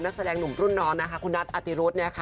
นักแสดงหนุ่มรุ่นน้อนนะคะคุณนัทอธิรุษเนี่ยค่ะ